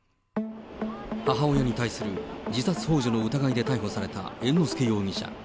母親に対する自殺ほう助の疑いで逮捕された猿之助容疑者。